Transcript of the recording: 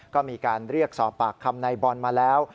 ก็มีการเรียกสอบปากคำในบอลมาแล้ว